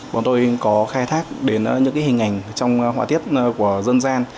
bọn tôi có khai thác đến những hình ảnh trong họa tiết của dân gian